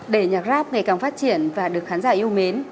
để nhạc grab ngày càng phát triển và được khán giả yêu mến